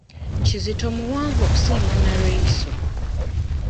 Kizito muwanvu okusinga Nalweyiso.